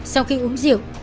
sau khi uống rượu